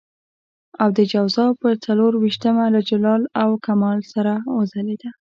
او د جوزا پر څلور وېشتمه له جلال او کمال سره وځلېده.